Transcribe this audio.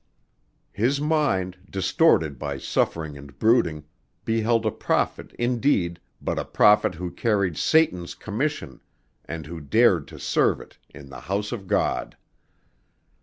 His mind, distorted by suffering and brooding, beheld a prophet indeed, but a prophet who carried Satan's commission and who dared to serve it in the house of God.